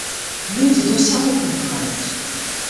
Людзі да ўсяго прывыкаюць.